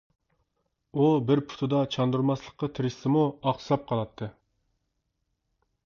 ئۇ بىر پۇتىدا چاندۇرماسلىققا تىرىشسىمۇ ئاقساپ قالاتتى.